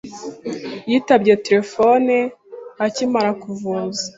yitabye terefone akimara kuvuza.